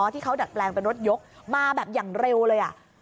ที่เขาดัดแปลงเป็นรถยกมาแบบอย่างเร็วเลย